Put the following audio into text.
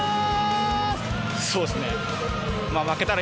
そうですね。